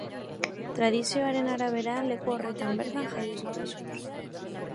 Tradizioaren arabera, leku horretan bertan jaio zen Jesus.